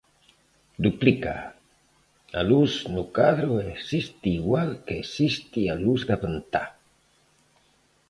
Duplícaa: a luz no cadro existe igual que existe a luz da ventá.